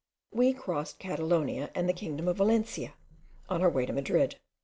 We crossed Catalonia and the kingdom of Valencia, on our way to Madrid.